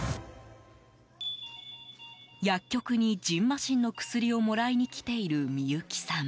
薬局に、じんましんの薬をもらいに来ているミユキさん。